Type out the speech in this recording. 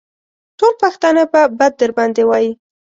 ټول پښتانه به بد در باندې وايي.